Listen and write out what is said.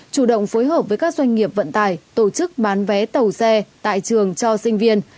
chủ động phối hợp với các doanh nghiệp vận tải tổ chức bán vé tàu xe tại trường cho sinh viên